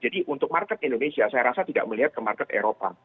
jadi untuk market indonesia saya rasa tidak melihat ke market eropa